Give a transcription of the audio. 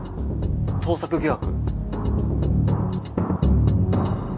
盗作疑惑。